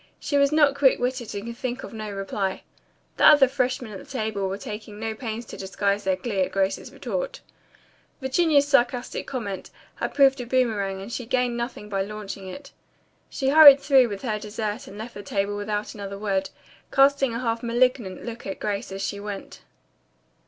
She was not quick witted and could think of no reply. The other freshmen at the table were taking no pains to disguise their glee at Grace's retort. Virginia's sarcastic comment had proved a boomerang and she had gained nothing by launching it. She hurried through with her dessert and left the table without another word, casting a half malignant look at Grace as she went.